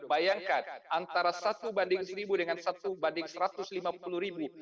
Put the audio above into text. bayangkan antara satu banding seribu dengan satu banding satu ratus lima puluh ribu